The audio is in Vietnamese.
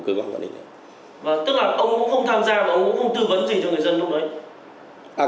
tức là ông cũng không tham gia và ông cũng không tư vấn gì cho người dân lúc đấy